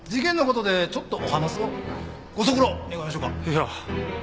いや。